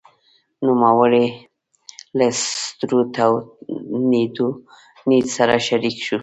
نوموړی له ستروټ او نیډ سره شریک شو.